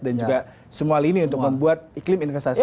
juga semua lini untuk membuat iklim investasi